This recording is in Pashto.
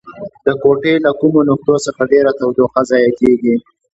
د کوټې له کومو نقطو څخه ډیره تودوخه ضایع کیږي؟